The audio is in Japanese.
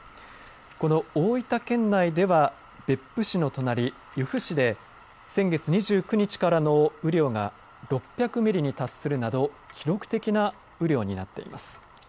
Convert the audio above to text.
この大分県内では別府市の隣由布市で先月２９日からの雨量が６００ミリに達するなど記録的な雨量になっています。